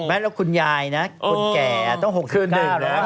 แม้เราคุณยายนะคนแก่ต้อง๖๙แล้ว